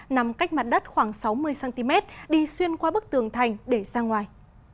nằm cách mặt đất khoảng sáu mươi cm đi xuyên qua bức tường thành để sang ngoài